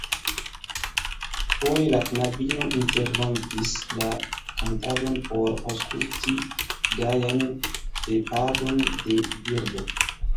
Foje la knabino interrompis la kantadon por aŭskulti gajan pepadon de birdo.